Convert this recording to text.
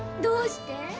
どうして？